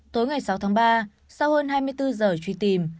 tối ngày sáu tháng ba sau hơn hai mươi bốn giờ truy tìm